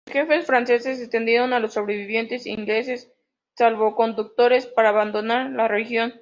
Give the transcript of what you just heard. Los jefes franceses extendieron a los sobrevivientes ingleses salvoconductos para abandonar la región.